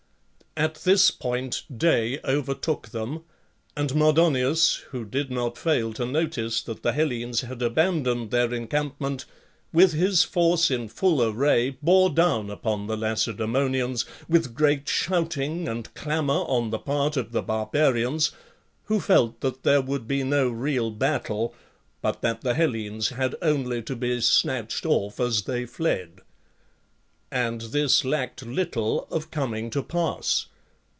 At this point day overtook them, and Mardonius, who did' not fail to notice that the Hellenes had abandoned their encampment, with his force in full array, boredown upon the Lacedaemonians, with great shouting and.clamour on the part of the Barbarians, who felt that there would. be no real battle, but that the Hellenes had only to be. snatched off as they fled...And this lacked but little of coming to pass.